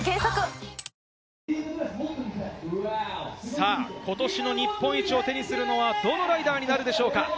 さぁ今年の日本一を手にするのはどのライダーになるでしょうか？